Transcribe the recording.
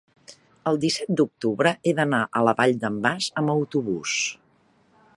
el disset d'octubre he d'anar a la Vall d'en Bas amb autobús.